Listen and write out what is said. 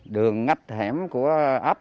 đường ngách hẻm của ấp